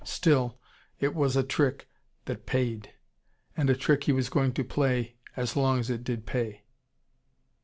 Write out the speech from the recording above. Still, it was a trick that paid. And a trick he was going to play as long as it did pay.